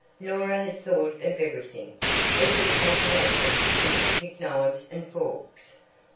Norah had thought of everything, even paper napkins and picnic knives and forks.